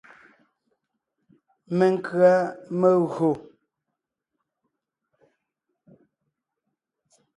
Menkʉ̀a megÿò.